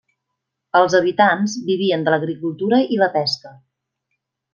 Els habitants vivien de l'agricultura i la pesca.